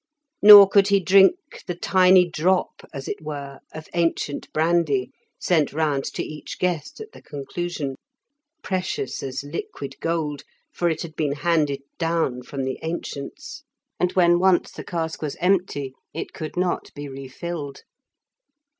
Nor could he drink the tiny drop, as it were, of ancient brandy, sent round to each guest at the conclusion, precious as liquid gold, for it had been handed down from the ancients, and when once the cask was empty it could not be re filled.